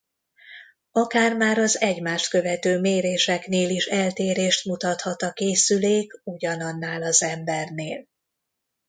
Akár már az egymást követő méréseknél is eltérést mutathat a készülék ugyanannál az embernél.